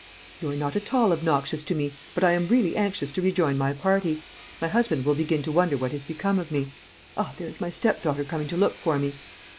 "You are not at all obnoxious to me; but I am really anxious to rejoin my party. My husband will begin to wonder what has become of me. Ah, there is my stepdaughter coming to look for me."